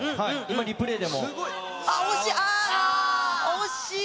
惜しい！